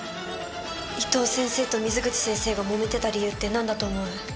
伊藤先生と水口先生がもめてた理由って何だと思う？